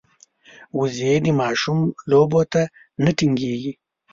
وزې د ماشوم لوبو ته نه تنګېږي